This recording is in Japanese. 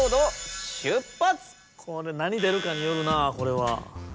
これ何出るかによるなこれは。